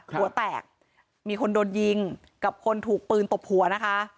หัวแตกมีคนโดนยิงกับคนถูกปืนตบหัวนะคะ